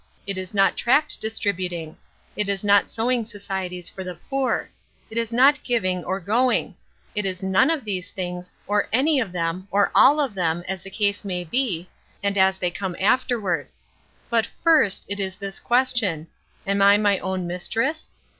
"It is not tract distributing; it is not sewing societies for the poor; it is not giving or going. It is none of these things, or any of them, or all of them, as the case may be, and as they come afterward. But first it is this question: Am I my own mistress?